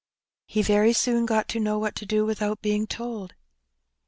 He very soon got to know what to do without being told.